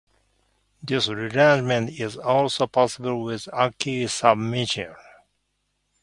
This rearrangement is also possible with alkyl substituents.